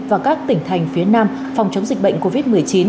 và các tỉnh thành phía nam phòng chống dịch bệnh covid một mươi chín